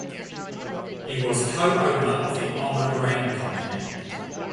He was a co-owner of the Armour Grain Company.